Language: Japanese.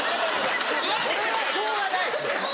それはしょうがないでしょ。